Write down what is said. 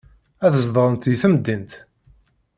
Ad zedɣent deg temdint.